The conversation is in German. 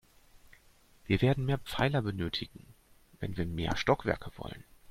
Wir werden mehr Pfeiler benötigen, wenn wir mehr Stockwerke wollen.